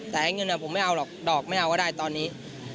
แต่เงินผมไม่เอาหรอกดอกไม่เอาก็ได้ตอนนี้